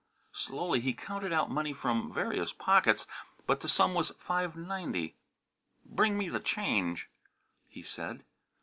Slowly he counted out money from various pockets, but the sum was $5.90. "Bring me the change," he said.